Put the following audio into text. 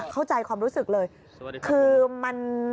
เข้าใจความรู้สึกเลยคือมัน